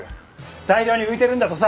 大量に浮いてるんだとさ。